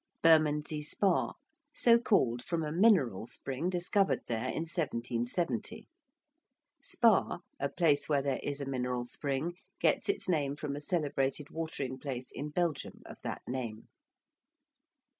~Bermondsey Spa~: so called from a mineral spring discovered there in 1770. (Spa, a place where there is a mineral spring, gets its name from a celebrated watering place in Belgium of that name.)